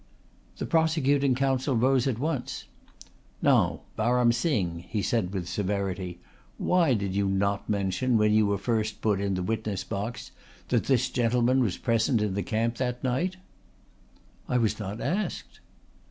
The prosecuting counsel rose at once. "Now, Baram Singh," he said with severity, "why did you not mention when you were first put in the witness box that this gentleman was present in the camp that night?" "I was not asked."